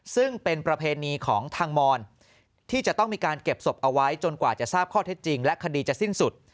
ซึ่งเป็นประเพณีของทางมอนที่จะต้องมีการเก็บศพเอาไว้จนกว่าจะทราบข้อเท็จจริงและคดีจะสิ้นสุด